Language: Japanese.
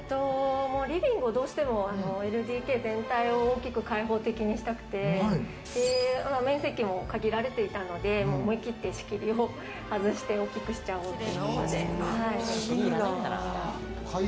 リビングをどうしてもＬＤＫ全体を大きく開放的にしたくて、面積も限られていたので思い切って仕切りを外して大きくしちゃおうって。